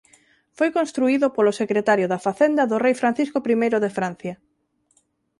Foi construído polo secretario da facenda do rei Francisco I de Francia.